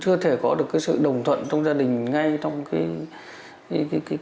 chưa có thể có được cái sự đồng thuận trong gia đình ngay trong lúc vợ con bị nghiêm túc